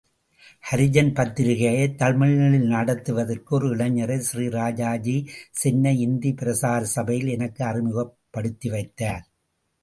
ஹரிஜன் பத்திரிகையைத் தமிழில் நடத்துவதற்கு ஒரு இளைஞரை ஸ்ரீ ராஜாஜி சென்னை இந்தி பிரசாரசபையில் எனக்கு அறிமுகப்படுத்தி வைத்தார்.